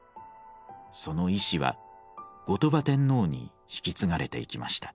その遺志は後鳥羽天皇に引き継がれていきました。